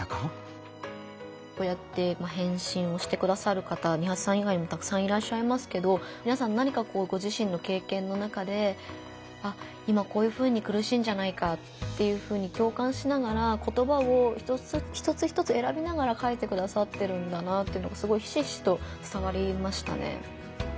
こうやって返信をしてくださる方ニハチさん以外にもたくさんいらっしゃいますけどみなさん何かご自身の経験の中で今こういうふうにくるしいんじゃないかっていうふうに共感しながら言葉を一つ一つえらびながら書いてくださってるんだなっていうのがすごいひしひしとつたわりましたね。